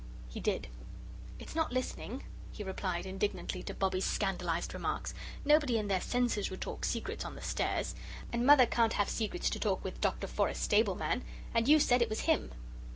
He did. "It's not listening," he replied indignantly to Bobbie's scandalised remarks; "nobody in their senses would talk secrets on the stairs. And Mother can't have secrets to talk with Dr. Forrest's stable man and you said it was him."